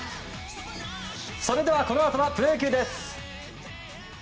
それではこのあとはプロ野球です。